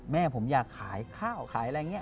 แม่ผมอยากขายข้าวขายอะไรอย่างนี้